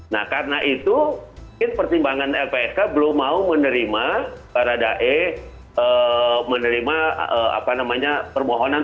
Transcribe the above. nah karena itu mungkin pertimbangan lpsk belum mau menerima baradae menerima permohonan